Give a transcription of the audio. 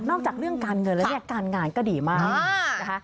จากเรื่องการเงินแล้วเนี่ยการงานก็ดีมากนะคะ